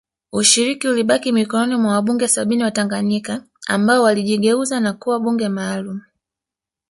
Ushiriki ulibaki mikononi mwa wabunge sabini wa Tanganyika ambao walijigeuza na kuwa bunge maalum